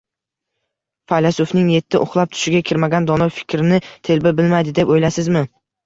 Faylasufning yeti uxlab tushiga kirmagan dono fikrni telba bilmaydi, deb o’ylaysizmi?